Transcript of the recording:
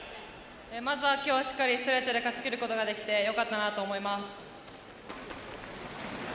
まず今日しっかりストレートで勝ち切ることができてよかったと思います。